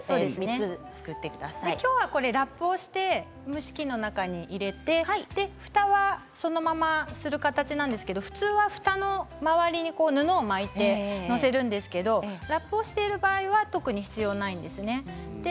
きょうはラップをして蒸し器の中に入れてふたはそのままする形なんですけど普通はふたの周りに布を巻いて載せるんですがラップをしている場合は特に必要はないですね。